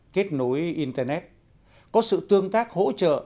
kết nối internet có sự tương tác hỗ trợ